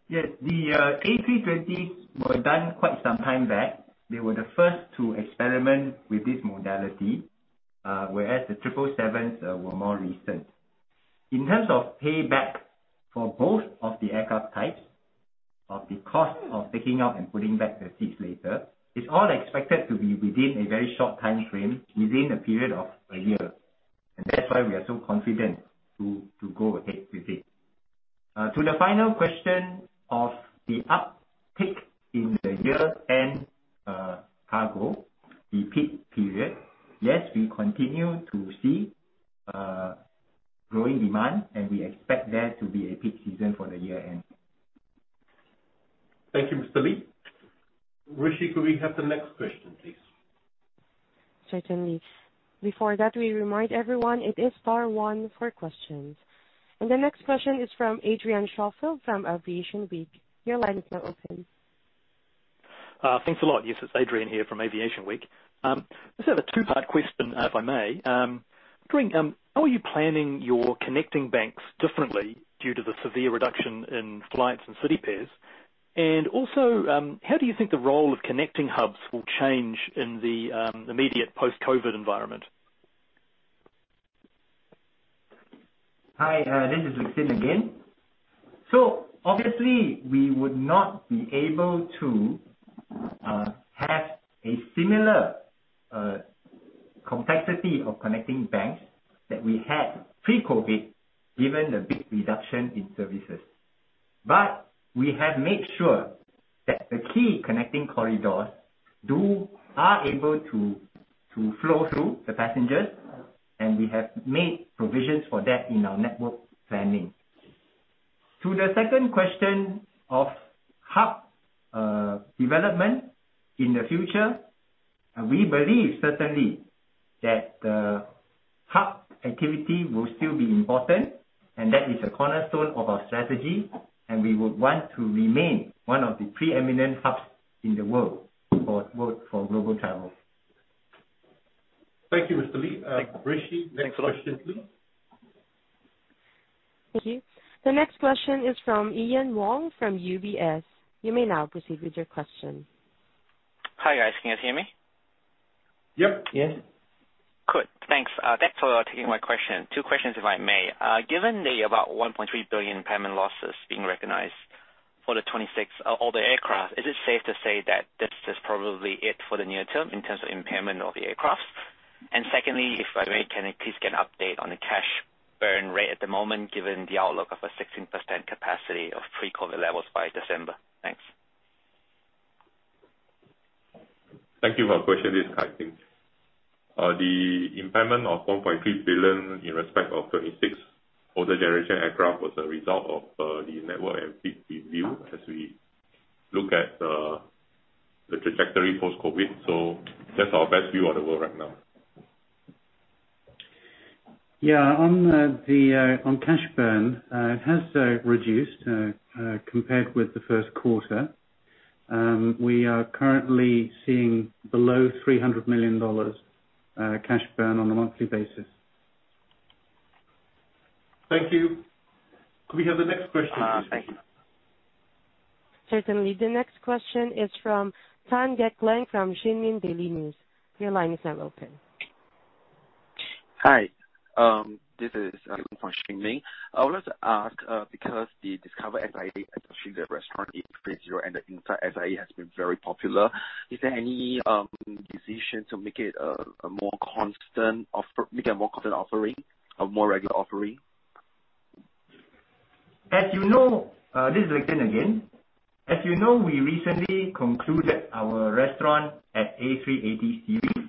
Yes, the A320s were done quite some time back. They were the first to experiment with this modality, whereas the 777s were more recent. In terms of payback for both of the aircraft types, of the cost of taking out and putting back the seats later, it is all expected to be within a very short timeframe, within a period of a year. That is why we are so confident to go ahead with it. To the final question of the uptick in the year-end cargo, the peak period, yes, we continue to see growing demand, and we expect there to be a peak season for the year-end. Thank you, Mr. Lee Lik Hsin. Rishi, could we have the next question, please? Certainly. Before that, we remind everyone it is star one for questions. The next question is from Adrian Schofield from Aviation Week. Your line is now open. Thanks a lot. Yes, it is Adrian here from Aviation Week. Just have a two-part question, if I may. How are you planning your connecting banks differently due to the severe reduction in flights and city pairs? Also, how do you think the role of connecting hubs will change in the immediate post-COVID-19 environment? Hi, this is Lee Lik Hsin again. Obviously, we would not be able to have a similar complexity of connecting banks that we had pre-COVID-19, given the big reduction in services. We have made sure that the key connecting corridors are able to flow through the passengers, and we have made provisions for that in our network planning. To the second question of hub development in the future, we believe certainly that the hub activity will still be important, and that is a cornerstone of our strategy, and we would want to remain one of the preeminent hubs in the world for both global travel. Thank you, Mr. Lee Lik Hsin. Rishi, next question, please. Thank you. The next question is from Ian Wong from UBS. You may now proceed with your question. Hi, guys. Can you guys hear me? Yep. Yes. Good, thanks. Thanks for taking my question. Two questions if I may. Given the about 1.3 billion impairment losses being recognized for the 26 older aircraft, is it safe to say that this is probably it for the near term in terms of impairment of the aircraft? Secondly, if I may, can I please get an update on the cash burn rate at the moment given the outlook of a 16% capacity of pre-COVID-19 levels by December? Thanks. Thank you for the question. This is Tan Kai Ping. The impairment of 1.3 billion in respect of 26 older generation aircraft was a result of the network and fleet review as we look at the trajectory post-COVID-19. That's our best view of the world right now. On cash burn, it has reduced compared with the first quarter. We are currently seeing below 300 million dollars cash burn on a monthly basis. Thank you. Could we have the next question, please? Certainly. The next question is from Pang Gek Teng from Xinmin Daily News. Your line is now open. Hi. This is from Xinmin Daily News. I wanted to ask, because the Discover SIA, especially the restaurant in Phase Zero and the Inside SIA has been very popular, is there any decision to make it a more constant offering or more regular offering? This is Lee Lik Hsin again. As you know, we recently concluded our restaurant at A380 series.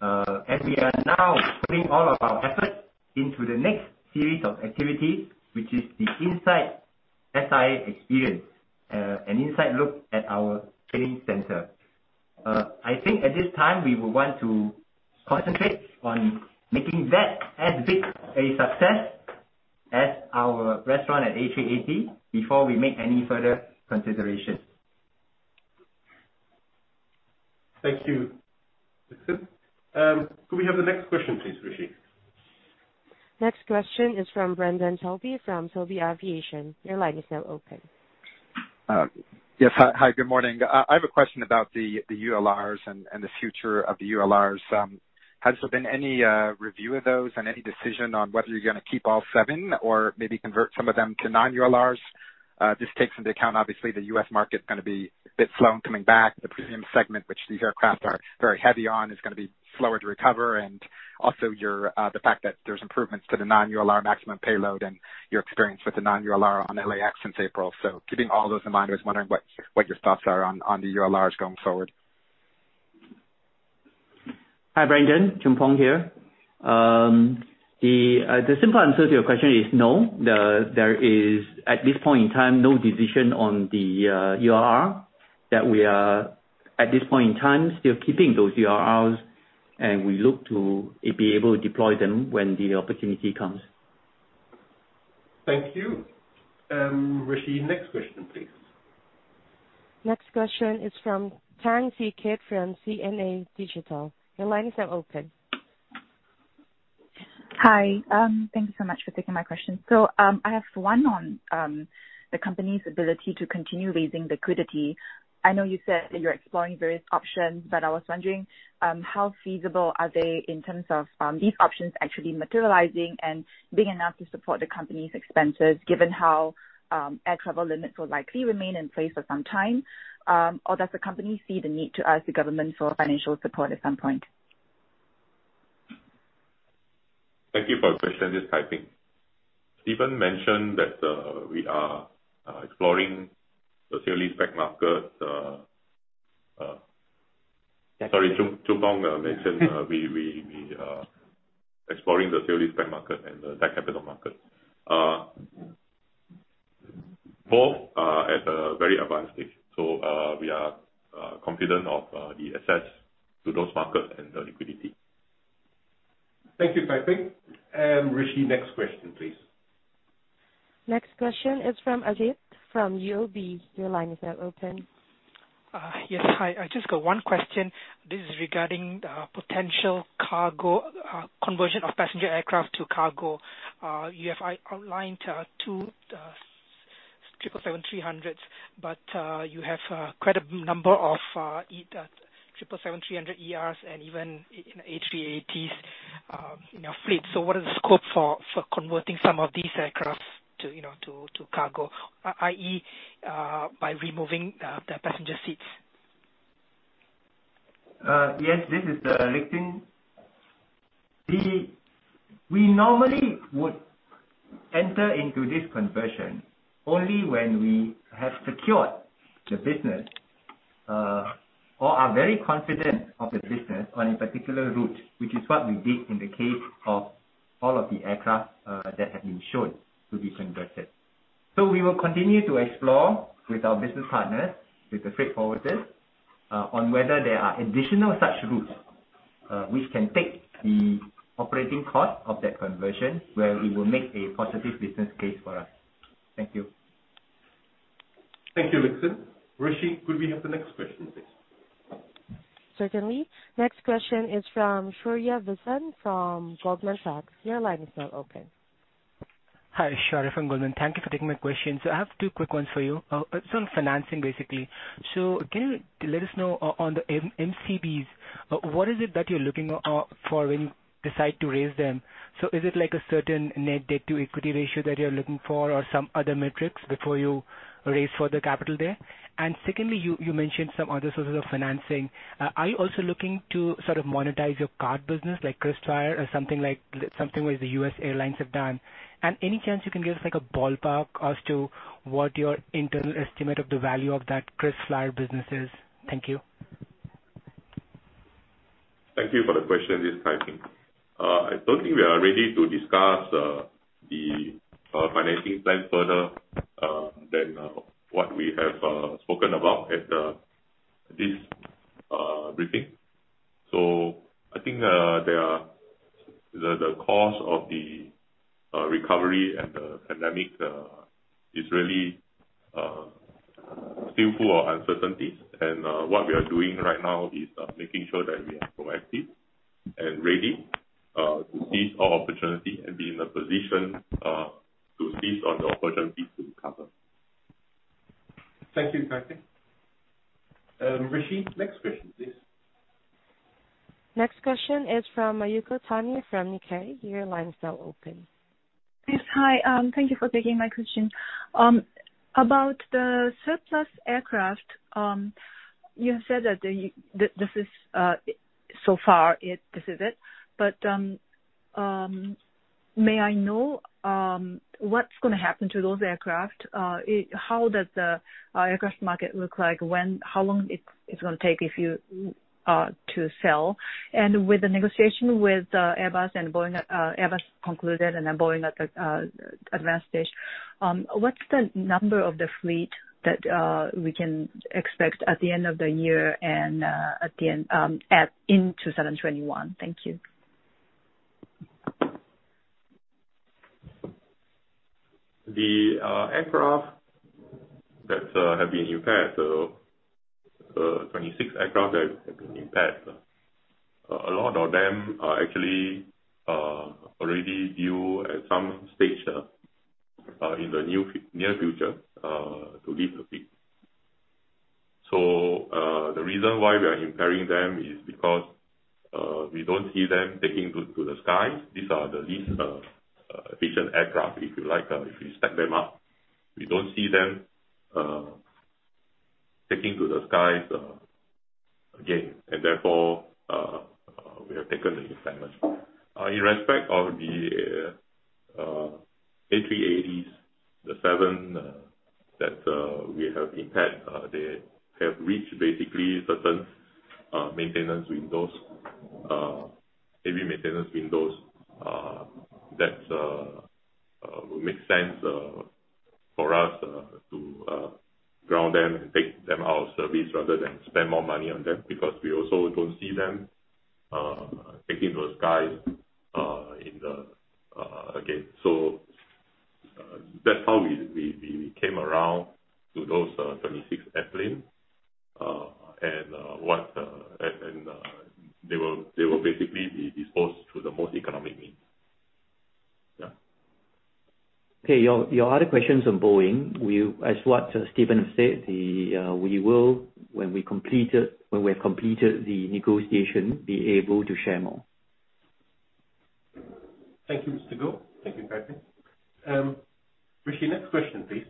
We are now putting all of our effort into the next series of activity, which is the Inside Singapore Airlines experience, an inside look at our training center. I think at this time, we would want to concentrate on making that as big a success as our restaurant at A380 before we make any further considerations. Thank you, Lee Lik Hsin. Could we have the next question, please, Rishi? Next question is from Brendan Sobie from Sobie Aviation. Your line is now open. Yes. Hi, good morning. I have a question about the ULRs and the future of the ULRs. Has there been any review of those and any decision on whether you're going to keep all seven or maybe convert some of them to non-ULRs? Just takes into account, obviously, the U.S. market's going to be a bit slow in coming back. The premium segment, which these aircraft are very heavy on, is going to be slower to recover. Also the fact that there's improvements to the non-ULR maximum payload and your experience with the non-ULR on LAX since April. Keeping all those in mind, I was wondering what your thoughts are on the ULRs going forward. Hi, Brendan. Goh Choon Phong here. The simple answer to your question is no. There is, at this point in time, no decision on the ULR. That we are, at this point in time, still keeping those ULRs, and we look to be able to deploy them when the opportunity comes. Thank you. Rishi, next question, please. Next question is from Tang See Kit from CNA Digital. Your line is now open. Hi. Thank you so much for taking my question. I have one on the company's ability to continue raising liquidity. I know you said that you're exploring various options, but I was wondering how feasible are they in terms of these options actually materializing and big enough to support the company's expenses, given how air travel limits will likely remain in place for some time? Or does the company see the need to ask the government for financial support at some point? Thank you for the question. This is Kai Ping. Goh Choon Phong mentioned we are exploring the tertiary stock market and the capital market. Both are at a very advanced stage. We are confident of the access to those markets and the liquidity. Thank you, Tan Kai Ping. Rishi, next question, please. Next question is from K Ajith from UOB. Your line is now open. Yes. Hi. I just got one question. This is regarding potential cargo, conversion of passenger aircraft to cargo. You have outlined two 777-300s, but you have quite a number of 777-300ERs and even A380s in your fleet. What is the scope for converting some of these aircraft to cargo, i.e., by removing the passenger seats? Yes, this is Goh Choon Phong. We normally would enter into this conversion only when we have secured the business or are very confident of the business on a particular route, which is what we did in the case of all of the aircraft that have been shown to be converted. We will continue to explore with our business partners, with the freight forwarders, on whether there are additional such routes, which can take the operating cost of that conversion where it will make a positive business case for us. Thank you. Thank you, Goh Choon Phong. Rishi, could we have the next question, please? Certainly. Next question is from Sharjeel Hassan from Goldman Sachs. Your line is now open. Hi. Sharjeel Hassan from Goldman. Thank you for taking my question. I have two quick ones for you. It's on financing, basically. Can you let us know on the MCBs, what is it that you're looking for when you decide to raise them? Is it like a certain net debt to equity ratio that you're looking for or some other metrics before you raise further capital there? Secondly, you mentioned some other sources of financing. Are you also looking to sort of monetize your card business like KrisFlyer or something which the U.S. airlines have done? Any chance you can give us like a ballpark as to what your internal estimate of the value of that KrisFlyer business is? Thank you. Thank you for the question. This is Tan Kai Ping. I don't think we are ready to discuss the financing plan further than what we have spoken about at this briefing. I think the cause of the recovery and the pandemic is really still full of uncertainties. What we are doing right now is making sure that we are proactive and ready to seize all opportunity and be in a position to seize on the opportunity to recover. Thank you, Tan Kai Ping. Rishi, next question, please. Next question is from Mayuko Tani from Nikkei. Your line is now open. Yes. Hi. Thank you for taking my question. About the surplus aircraft, you have said that so far this is it. May I know what's going to happen to those aircraft? How does the aircraft market look like, how long it's going to take to sell? With the negotiation with Airbus concluded and then Boeing at advanced stage, what's the number of the fleet that we can expect at the end of the year and into 2021? Thank you. The 26 aircraft that have been impaired. A lot of them are actually already due at some stage in the near future to leave the fleet. The reason why we are impairing them is because we don't see them taking to the skies. These are the least efficient aircraft, if you like. If you stack them up, we don't see them taking to the skies again. Therefore, we have taken the impairment. In respect of the A380s, the seven that we have impaired, they have reached basically certain maintenance windows. Heavy maintenance windows that will make sense for us to ground them and take them out of service rather than spend more money on them, because we also don't see them taking to the skies again. That's how we came around to those 26 airplanes. They will basically be disposed through the most economic means. Yeah. Okay. Your other questions on Boeing, as what Stephen Barnes said, we will, when we have completed the negotiation, be able to share more. Thank you, Mr. Goh. Thank you, Tan Kai Ping. Rishi, next question, please.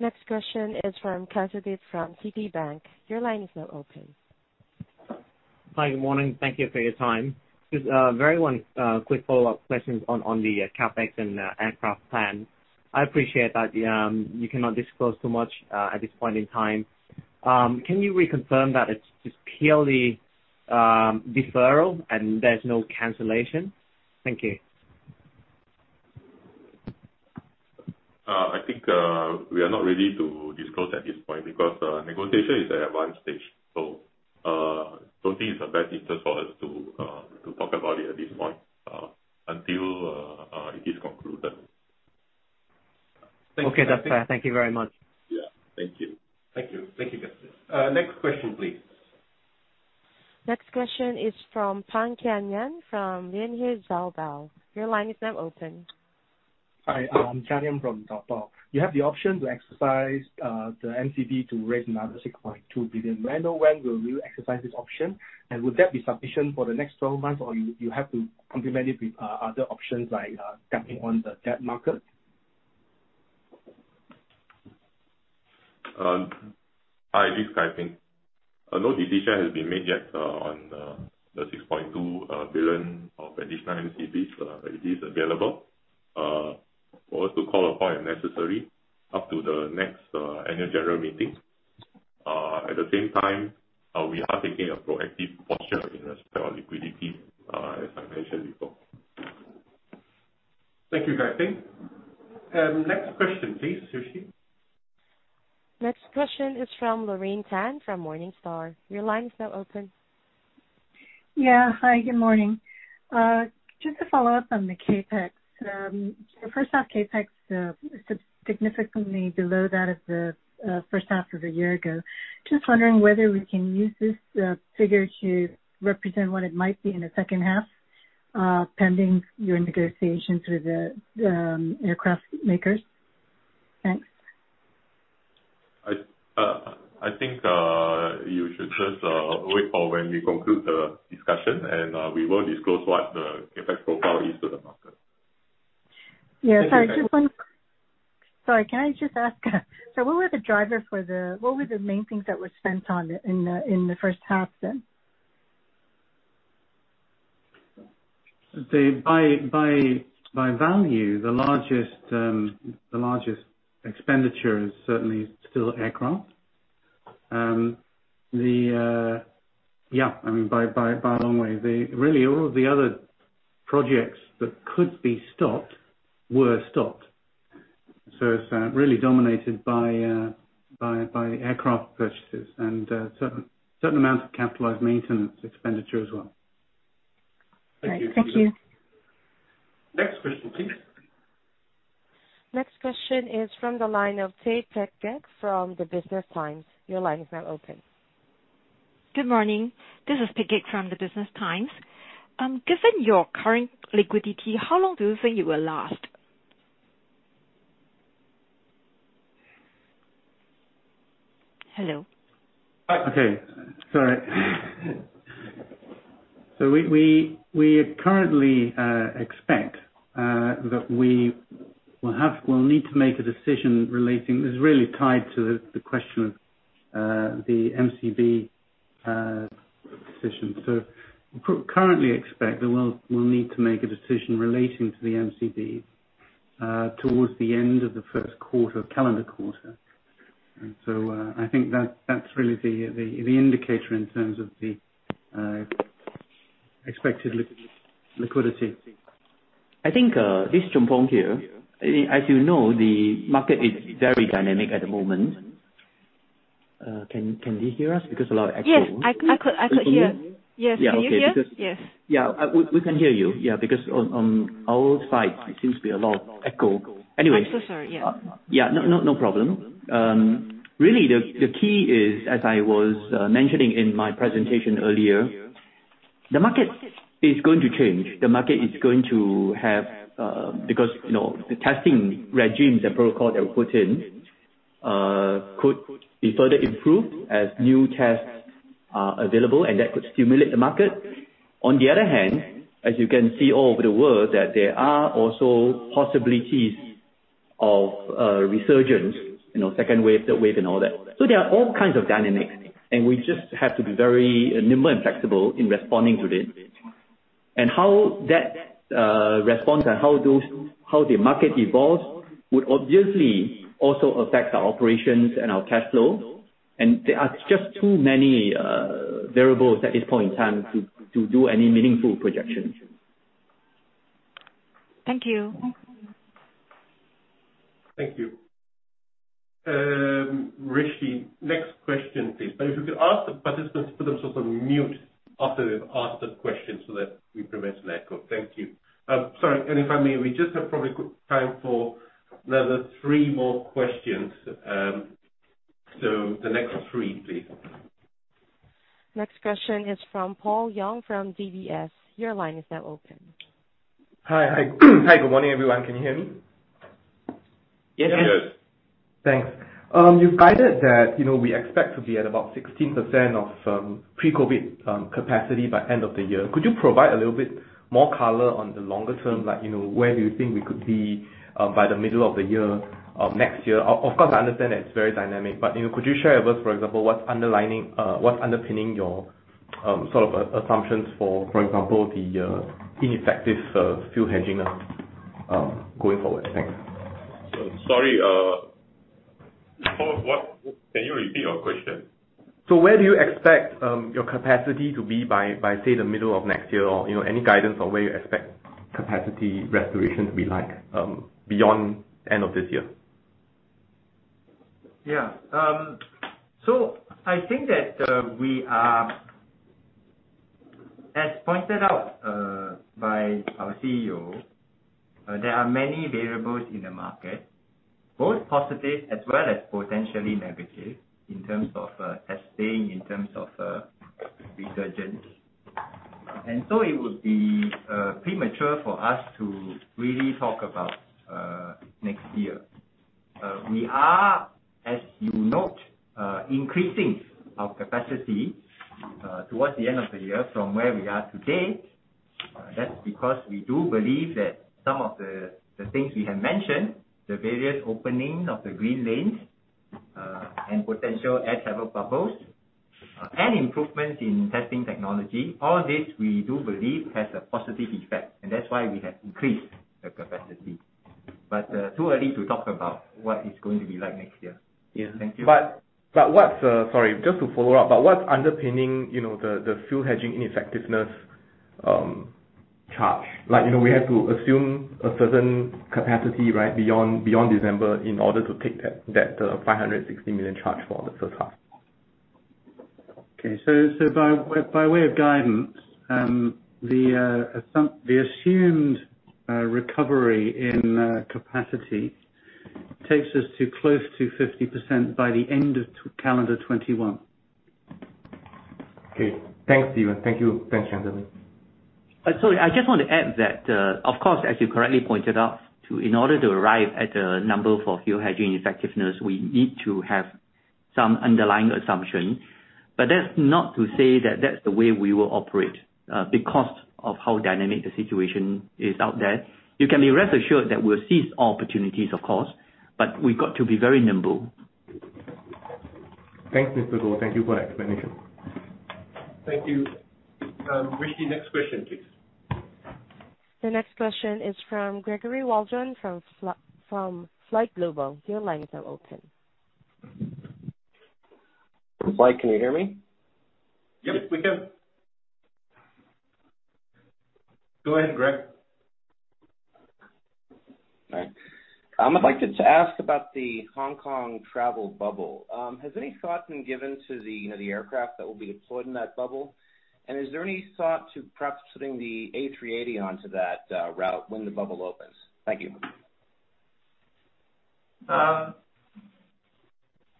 Next question is from Kazuhito from MUFG Bank. Hi, good morning. Thank you for your time. Just very one quick follow-up questions on the CapEx and aircraft plan. I appreciate that you cannot disclose too much at this point in time. Can you reconfirm that it's just purely deferral and there's no cancellation? Thank you. I think we are not ready to disclose at this point because negotiation is at advanced stage. Don't think it's in the best interest for us to talk about it at this point until it is concluded. Okay. That's fine. Thank you very much. Yeah. Thank you. Thank you. Thank you. Next question, please. Next question is from Pang Kian Yan from Lianhe Zaobao. Your line is now open. Hi, I'm Pang Kian Yan from Lianhe Zaobao. You have the option to exercise the MCB to raise another 6.2 billion. May I know when will you exercise this option? Would that be sufficient for the next 12 months, or you have to complement it with other options like tapping on the debt market? Hi, this is Kai Ping. No decision has been made yet on the 6.2 billion of additional MCBs. It is available for us to call upon if necessary up to the next annual general meeting. At the same time, we are taking a proactive posture in respect of liquidity, as I mentioned before. Thank you, Tan Kai Ping. Next question please, Rishi. Next question is from Lorraine Tan from Morningstar. Your line is now open. Yeah. Hi, good morning. Just to follow up on the CapEx. The first half CapEx is significantly below that of the first half of a year ago. Just wondering whether we can use this figure to represent what it might be in the second half, pending your negotiations with the aircraft makers. Thanks. I think you should just wait for when we conclude the discussion. We will disclose what the CapEx profile is to the market. Yeah. Sorry, can I just ask so what were the main things that were spent on in the first half then? By value, the largest expenditure is certainly still aircraft. Yeah. By a long way. Really all of the other projects that could be stopped were stopped. It's really dominated by aircraft purchases and a certain amount of capitalized maintenance expenditure as well. Thank you. Next question please. Next question is from the line of Tay Peck Gek from The Business Times. Your line is now open. Good morning. This is Tay Peck Gek from The Business Times. Given your current liquidity, how long do you think you will last? Hello? Okay. Sorry. We currently expect that we'll need to make a decision. It's really tied to the question of the MCB decision. We currently expect that we'll need to make a decision relating to the MCB towards the end of the first calendar quarter. I think that's really the indicator in terms of the expected liquidity. I think, this is Goh Choon Phong here. As you know, the market is very dynamic at the moment. Can you hear us? Because a lot of echo. Yes. I could hear. Can you hear me? Yes. Can you hear? Yeah, okay. Yes. Yeah, we can hear you. Yeah. On our side, it seems to be a lot of echo. I'm so sorry. Yeah. Yeah. No problem. Really, the key is, as I was mentioning in my presentation earlier, the market is going to change. Because the testing regimes and protocol that we put in could be further improved as new tests are available, and that could stimulate the market. On the other hand, as you can see all over the world, that there are also possibilities of a resurgence, second wave, third wave and all that. There are all kinds of dynamics, and we just have to be very nimble and flexible in responding to it. How that responds and how the market evolves would obviously also affect our operations and our cash flow. There are just too many variables at this point in time to do any meaningful projections. Thank you. Thank you. Rishi, next question, please. If you could ask the participants to put themselves on mute after they've asked the question so that we prevent an echo. Thank you. Sorry. If I may, we just have probably quick time for another three more questions. The next three, please. Next question is from Paul Yong from DBS. Your line is now open. Hi. Good morning, everyone. Can you hear me? Yes. Thanks. You've guided that we expect to be at about 16% of pre-COVID-19 capacity by end of the year. Could you provide a little bit more color on the longer term? Where do you think we could be by the middle of the year or next year? Of course, I understand that it's very dynamic, but could you share with us, for example, what's underpinning your assumptions for example, the ineffective fuel hedging going forward? Thanks. Sorry. Can you repeat your question? Where do you expect your capacity to be by, say, the middle of next year? Any guidance on where you expect capacity restoration to be like beyond end of this year? Yeah. I think that as pointed out by our CEO, there are many variables in the market, both positive as well as potentially negative, in terms of testing, in terms of resurgence. It would be premature for us to really talk about next year. We are, as you note, increasing our capacity towards the end of the year from where we are today. That's because we do believe that some of the things we have mentioned, the various opening of the Green Lanes, and potential Air Travel Bubbles, and improvements in testing technology, all this we do believe has a positive effect, and that's why we have increased the capacity. Too early to talk about what it's going to be like next year. Thank you. Sorry, just to follow up, what's underpinning the fuel hedging ineffectiveness charge? We have to assume a certain capacity, right, beyond December in order to take that 560 million charge for the first half. Okay. By way of guidance, the assumed recovery in capacity takes us to close to 50% by the end of calendar 2021. Okay. Thanks, Stephen Barnes. Thanks, Goh Choon Phong. Sorry, I just want to add that, of course, as you correctly pointed out, in order to arrive at the number for fuel hedging ineffectiveness, we need to have some underlying assumption, but that's not to say that that's the way we will operate, because of how dynamic the situation is out there. You can be rest assured that we'll seize all opportunities, of course, but we've got to be very nimble. Thanks, Mr. Goh Choon Phong. Thank you for that explanation. Thank you. Rishi, next question, please. The next question is from Gregory Waldron from FlightGlobal. Your lines are open. Flight, can you hear me? Yep, we can. Go ahead, Gregory Waldron. All right. I'd like to ask about the Hong Kong travel bubble. Has any thought been given to the aircraft that will be deployed in that bubble? Is there any thought to perhaps putting the A380 onto that route when the bubble opens? Thank you.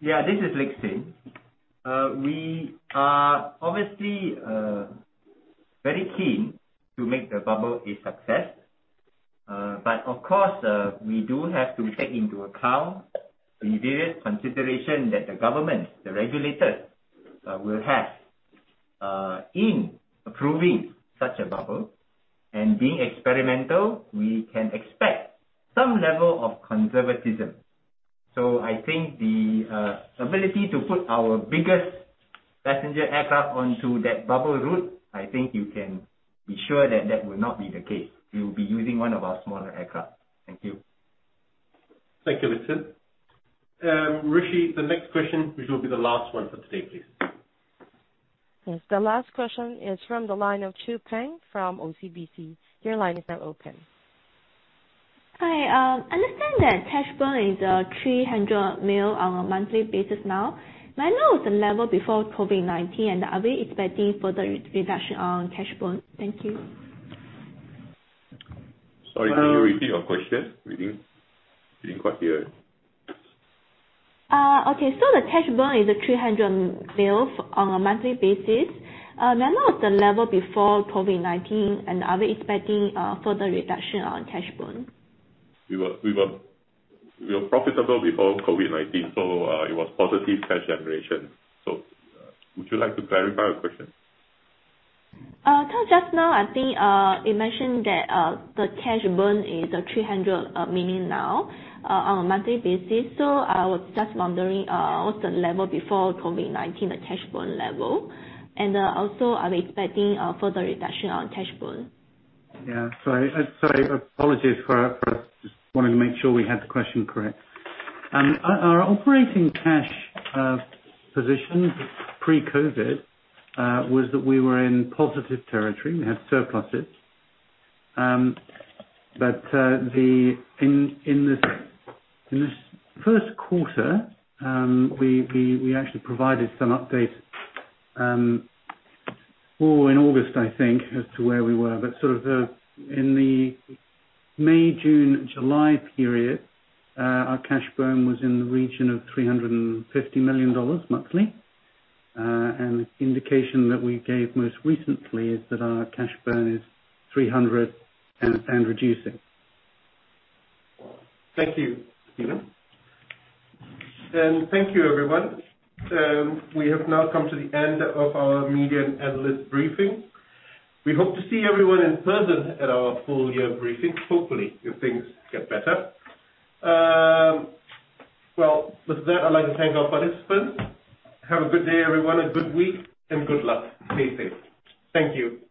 Yeah. This is Lee Lik Hsin. We are obviously very keen to make the bubble a success. Of course, we do have to take into account the various consideration that the government, the regulators, will have in approving such a bubble. Being experimental, we can expect some level of conservatism. I think the ability to put our biggest passenger aircraft onto that bubble route, I think you can be sure that that will not be the case. We will be using one of our smaller aircraft. Thank you. Thank you, Lee Lik Hsin. Rishi, the next question, which will be the last one for today, please. Yes. The last question is from the line of Chu Peng from OCBC. Your line is now open. Hi. I understand that cash burn is 300 million on a monthly basis now. May I know of the level before COVID-19, and are we expecting further reduction on cash burn? Thank you. Sorry. Can you repeat your question? We didn't quite hear it. Okay. The cash burn is 300 million on a monthly basis. May I know of the level before COVID-19, and are we expecting further reduction on cash burn? We were profitable before COVID-19, so it was positive cash generation. Would you like to clarify your question? Just now I think you mentioned that the cash burn is 300 million now on a monthly basis. I was just wondering what's the level before COVID-19, the cash burn level? Also, are we expecting further reduction on cash burn? Yeah. Sorry. Apologies for just wanting to make sure we had the question correct. Our operating cash position pre-COVID-19 was that we were in positive territory. We had surpluses. In this first quarter, we actually provided some update, or in August, I think, as to where we were. Sort of in the May, June, July period, our cash burn was in the region of 350 million dollars monthly. The indication that we gave most recently is that our cash burn is 300 million and reducing. Thank you, Stephen Barnes. Thank you, everyone. We have now come to the end of our media and analyst briefing. We hope to see everyone in person at our full year briefing, hopefully, if things get better. With that, I'd like to thank our participants. Have a good day, everyone, a good week, and good luck. Stay safe. Thank you.